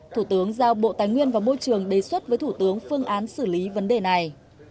thủ tướng giao bộ tài nguyên và môi trường đề xuất với thủ tướng phương án xử lý vấn đề này